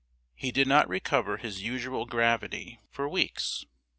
He did not recover his usual gravity for weeks.